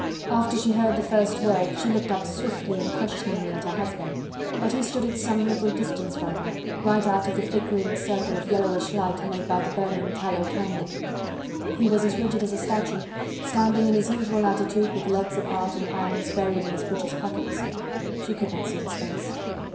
After she heard the first words, she looked up swiftly and questioningly at her husband, but he stood at some little distance from her, right out of the flickering circle of yellowish light made by the burning tallow candle. He was as rigid as a statue, standing in his usual attitude with legs apart and hands buried in his breeches pockets. She could not see his face.